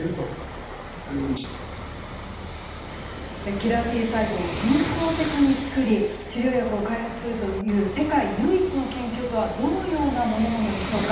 キラーＴ細胞を人工的に作り治療薬を開発するという世界唯一の研究とはどのようなものなのでしょうか。